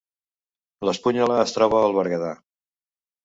L’Espunyola es troba al Berguedà